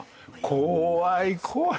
怖い怖い。